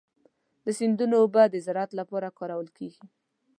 د سیندونو اوبه د زراعت لپاره کارول کېږي.